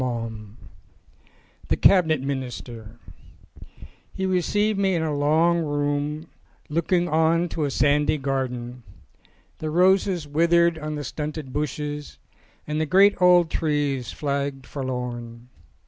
S3 THE CABINET MINISTER HE received me in a long room looking 1 on to a sandy garden. The roses withered on the stunted bushes and the great old trees flagged forlorn.